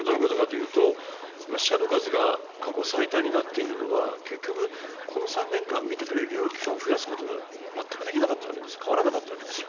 つまり死者の数が過去最多になっているのは結局この３年間診てくれる医療機関を増やすことが全くできなかったんです、変わらなかったわけです。